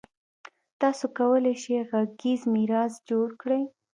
تاسو کولای شئ غږیز میراث جوړ کړئ.